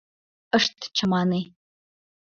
— Ышт чамане...